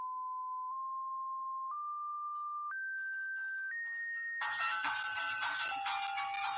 په هغو هېوادونو کې چې بچیان په وهلو هڅول کیږي.